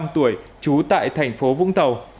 ba mươi năm tuổi trú tại thành phố vũng tàu